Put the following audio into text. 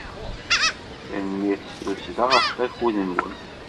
Tanemmirt s tussda ɣef wakud-nwen.